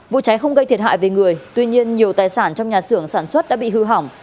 vụ cháy không gây thiệt hại về người tuy nhiên nhiều tài sản trong nhà xưởng sản xuất đã bị hư hỏng